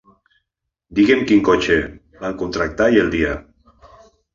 Diguem quin cotxe van contractar i el dia.